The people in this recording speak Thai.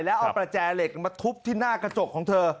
แล้วเอาประแจเหล็กมาทุบที่หน้ากระจกของเธอ